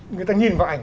người ta nhìn vào ảnh